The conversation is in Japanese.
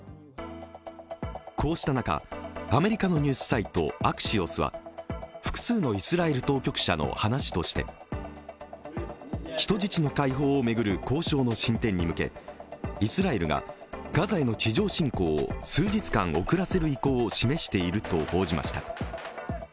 こうした中、アメリカのニュースサイトアクシオスは複数のイスラエル当局者の話として人質の解放を巡る交渉の進展に向けイスラエルが、ガザへの地上侵攻を数日間遅らせる意向を示していると報じました。